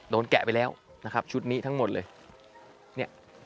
โดนแกะไปแล้วชุดนี้ทั้งหมดเลย